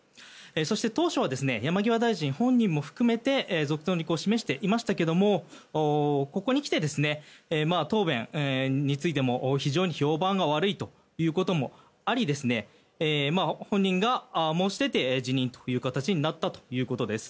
そして当初は山際大臣本人も含めて続投の意向を示していましたけどもここにきて答弁についても非常に評判が悪いということもあり本人が申し出て辞任という形になったということです。